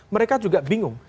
mereka juga bingung